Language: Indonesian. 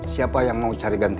siapa yang mau cari ganti